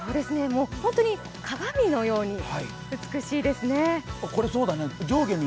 本当に鏡のように美しいですね。